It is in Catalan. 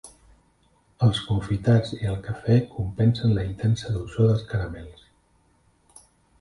Els confitats i el cafè compensen la intensa dolçor dels caramels.